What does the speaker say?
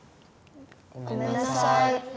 ごめんなさい。